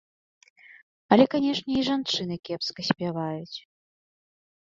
Але, канешне, і жанчыны кепска спяваюць.